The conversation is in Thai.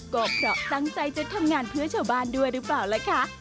ก็เพราะตั้งใจจะทำงานเพื่อชาวบ้านด้วยหรือเปล่าล่ะคะ